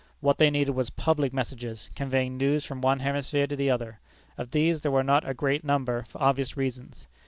What they needed was public messages, conveying news from one hemisphere to the other. Of these, there were not a great number, for obvious reasons.